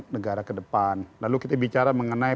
negara kedepan lalu kita bicara mengenai